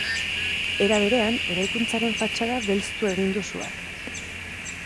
Era berean, eraikuntzaren fatxada belztu egin du suak.